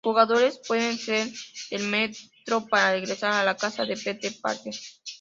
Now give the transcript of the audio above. Los jugadores pueden usar el Metro para regresar a la casa de Peter Parker.